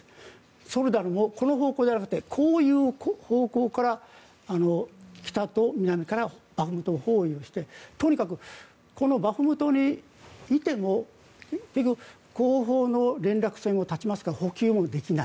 ソレダルもこの方向ではなくこういう方向から北と南からバフムトを包囲してとにかくこのバフムト後方の連絡線を断ちますから補給もできない。